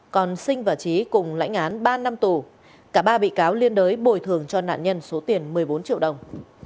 còn sinh và trí cùng lãnh án ba năm tù cả ba bị cáo liên đới bồi thường cho nạn nhân số tiền một mươi bốn triệu đồng